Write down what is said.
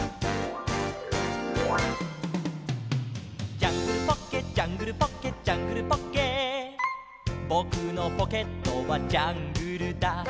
「ジャングルポッケジャングルポッケ」「ジャングルポッケ」「ぼくのポケットはジャングルだ」